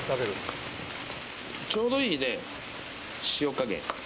ちょうどいい塩加減。